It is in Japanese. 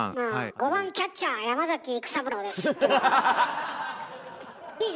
「５番キャッチャー山崎育三郎です」っていうのは？